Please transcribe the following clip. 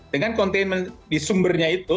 dengan containment di sumbernya itu